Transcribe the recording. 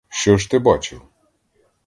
Що ж ти бачив?